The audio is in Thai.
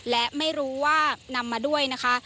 และไม่รู้ว่านำมาด้วยนะคะ